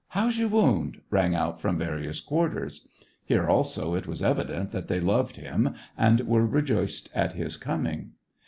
.. How's your wound t " rang out from various quarters. Here also it was evident that they loved him and were rejoiced at his coming.